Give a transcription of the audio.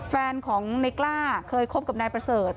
แฟนของในกล้าเคยคบกับนายประเสริฐ